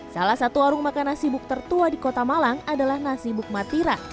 salah satu warung makan nasi buk tertua di kota malang adalah nasi buk matira